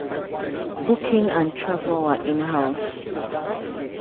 Booking and travel were in-house.